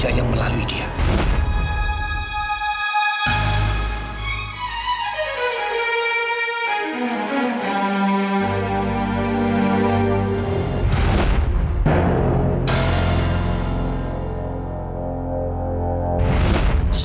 saya mau berada dikomgo